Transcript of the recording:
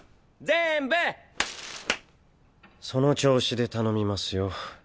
パンパンその調子で頼みますよ。